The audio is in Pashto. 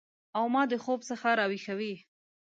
او ما د خوب څخه راویښوي